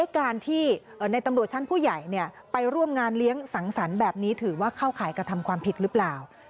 การที่ในตำรวจชั้นผู้ใหญ่ไปร่วมงานเลี้ยงสังสรรค์แบบนี้ถือว่าเข้าข่ายกระทำความผิดหรือเปล่า